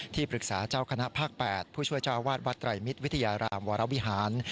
ปรึกษาเจ้าคณะภาค๘ผู้ช่วยเจ้าวาดวัดไตรมิตรวิทยารามวรวิหาร